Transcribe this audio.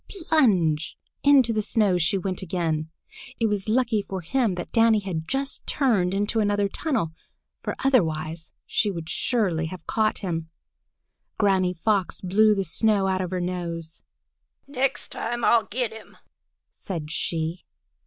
Plunge! Into the snow she went again. It was lucky for him that Danny had just turned into another tunnel, for otherwise she would surely have caught him. Granny Fox blew the snow out of her nose. "Next time I'll get him!" said she.